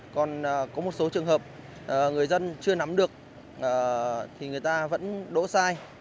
còn có một số trường hợp người dân chưa nắm được thì người ta vẫn đỗ sai